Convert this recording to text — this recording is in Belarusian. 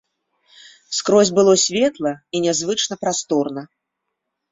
Скрозь было светла і нязвычна прасторна.